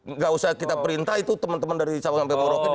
tidak usah kita perintah itu teman teman dari cabangkampi buruk ini